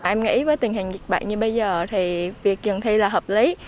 em nghĩ với tình hình dịch bệnh như bây giờ thì việc dừng thi là hợp lý